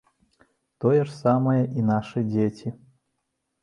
Тое ж самае і нашы дзеці.